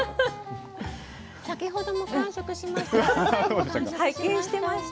先ほども完食しました。